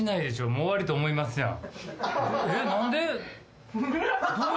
もう終わりと思いますやん。